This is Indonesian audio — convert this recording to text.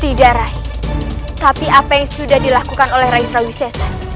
tidak rai tapi apa yang sudah dilakukan oleh raisa wisesa